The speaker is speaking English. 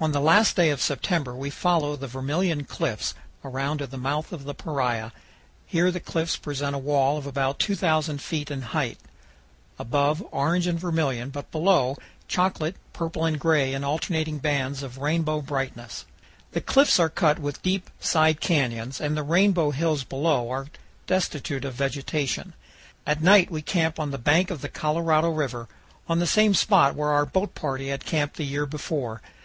On the last day of September we follow the Vermilion Cliffs around to the mouth of the Paria. Here the cliffs present a wall of about 2,000 feet in height, above, orange and vermilion, but below, chocolate, purple, and gray in alternating bands of rainbow brightness. The cliffs are cut with deep side canyons, and the rainbow hills below are destitute of vegetation. At night we camp on the bank of the Colorado River, on the same spot where our boat party had camped the year before.